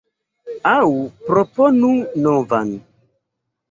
Aŭ proponu novan.